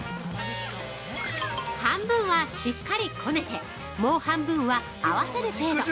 ◆半分はしっかりこねて、もう半分は合わせる程度。